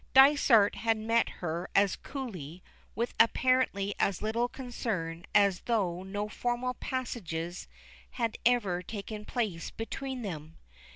Dysart had met her as coolly, with apparently as little concern as though no former passages had ever taken place between them.